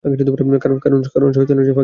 কারণ শয়তান ফাঁকে দাঁড়িয়ে যায়।